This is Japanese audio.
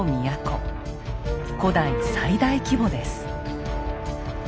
古代最大規模です。